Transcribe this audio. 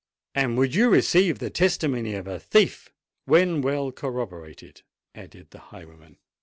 "And would you receive the testimony of a thief——" "When well corroborated," added the highwayman.